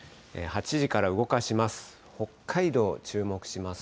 ８時から動かします。